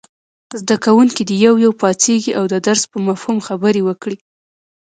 زده کوونکي دې یو یو پاڅېږي او د درس په مفهوم خبرې وکړي.